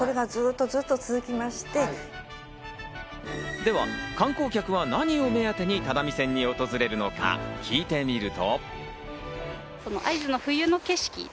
では、観光客は何を目当てに只見線を訪れるのか、聞いてみると。